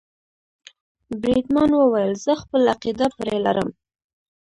بریدمن وویل زه خپله عقیده پرې لرم.